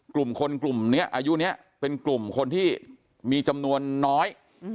กลุ่มคนกลุ่มนี้อายุนี้เป็นกลุ่มคนที่มีจำนวนน้อย